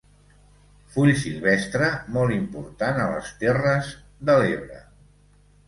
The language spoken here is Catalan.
Full silvestre molt important a les Terres de l'Ebre.